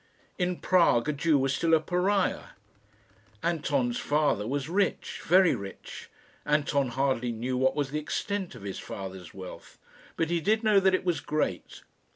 In Prague a Jew was still a Pariah. Anton's father was rich very rich. Anton hardly knew what was the extent of his father's wealth, but he did know that it was great.